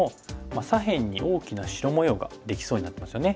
左辺に大きな白模様ができそうになってますよね。